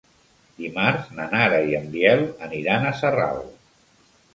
Dimarts na Nara i en Biel aniran a Sarral.